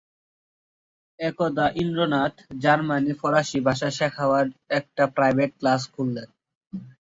একদা ইন্দ্রনাথ জার্মান ফরাসি ভাষা শেখাবার একটা প্রাইভেট ক্লাস খুললেন।